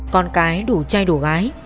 con cái đủ trai đủ gái